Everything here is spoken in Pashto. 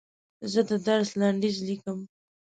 زه د درس لنډیز لیکم.